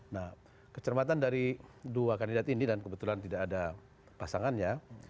nah kecermatan dari dua kandidat ini dan kebetulan tidak ada pasangannya